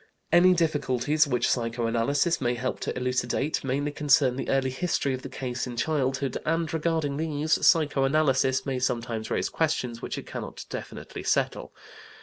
Any difficulties which psychoanalysis may help to elucidate mainly concern the early history of the case in childhood, and, regarding these, psychoanalysis may sometimes raise questions which it cannot definitely settle.